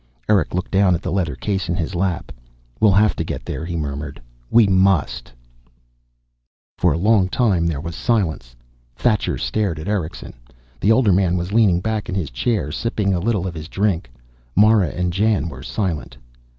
Erick looked down at the leather case in his lap. "We'll have to get there," he murmured. "We must!" For a long time there was silence. Thacher stared at Erickson. The older man was leaning back in his chair, sipping a little of his drink. Mara and Jan were silent.